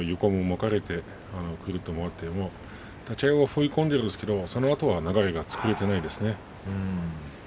左手、上が抜けてそのあと横にまかれてくるっと回って立ち合い踏み込んでるんですけどそのあとは流れが作れていないですね。